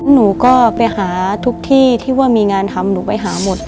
หนูก็ไปหาทุกที่ที่ว่ามีงานทำหนูไปหาหมด